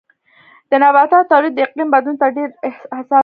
د نباتاتو تولید د اقلیم بدلون ته ډېر حساس دی.